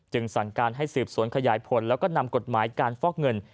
สั่งการให้สืบสวนขยายผลแล้วก็นำกฎหมายการฟอกเงิน